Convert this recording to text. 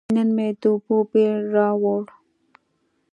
نن مې د اوبو بیل راووړ.